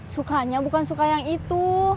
sukanya bukan suka yang itu